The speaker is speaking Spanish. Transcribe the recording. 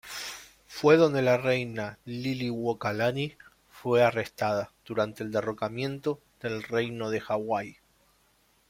Fue donde la reina Liliʻuokalani fue arrestada durante el derrocamiento del Reino de Hawái.